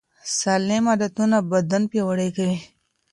سالم عادتونه بدن پیاوړی کوي.